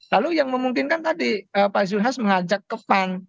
lalu yang memungkinkan tadi pak zulhas mengajak ke pan